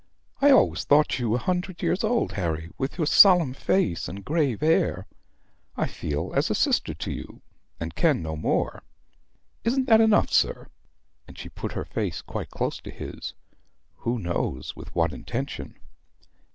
I always thought you a hundred years old, Harry, with your solemn face and grave air. I feel as a sister to you, and can no more. Isn't that enough, sir?" And she put her face quite close to his who knows with what intention?